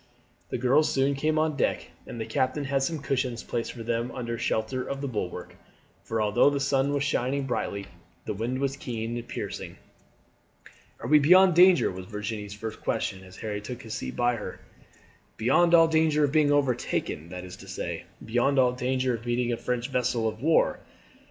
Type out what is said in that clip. The girls soon came on deck, and the captain had some cushions placed for them under shelter of the bulwark; for although the sun was shining brightly the wind was keen and piercing. "Are we beyond danger?" was Virginie's first question as Harry took his seat by her. "Beyond all danger of being overtaken that is to say, beyond all danger of meeting a French vessel of war.